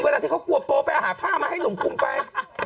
เวลาแต่เค้ากลัวปอว์ไปอาหารภาพมาให้หนูคงไป